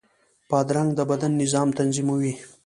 بادرنګ د بدن نظام تنظیموي.